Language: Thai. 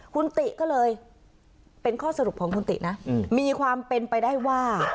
คุณติก็เลยเป็นข้อสรุปของคุณตินะมีความเป็นไปได้ว่า